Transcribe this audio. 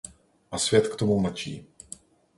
A svět k tomu mlčí.